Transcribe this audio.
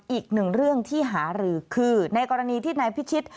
อีกหนึ่งเรื่องที่หารือคือในกรณีที่นายพิชิต